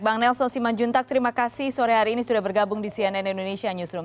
bang nelson simanjuntak terima kasih sore hari ini sudah bergabung di cnn indonesia newsroom